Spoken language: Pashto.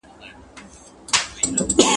نوي ملګري پيدا کړئ خو زاړه مه هېروئ.